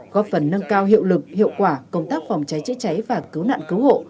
góp phần nâng cao hiệu lực hiệu quả công tác phòng cháy chữa cháy và cứu nạn cứu hộ